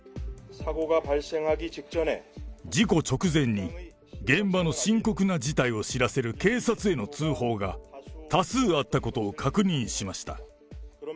事故直前に現場の深刻な事態を知らせる警察への通報が、多数あったことを確認しました。